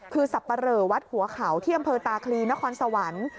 คือสับปะเหลอวัดหัวเขาที่อำเภอตาคลีนครสวรรค์